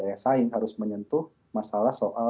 yang harus menyentuh masalah soal